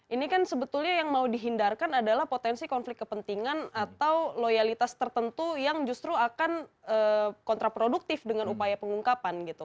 ini kan sebetulnya yang mau dihindarkan adalah potensi konflik kepentingan atau loyalitas tertentu yang justru akan kontraproduktif dengan upaya pengungkapan gitu